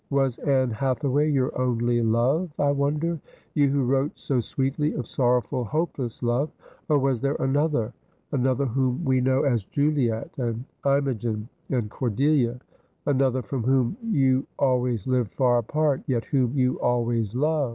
Was Ann Hathaway your only love, I wonder — you who wrote so sweetly of sorrowful hopeless love — or was there another, an other whom we know as Juliet, and Imogen, and Cordelia : another from whom you always lived far apart, yet whom you always loved?'